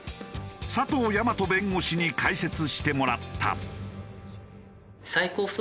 佐藤大和弁護士に解説してもらった。